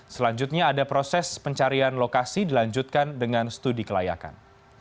selanjutnya ada proses pencarian lokasi dilanjutkan dengan studi kelayakan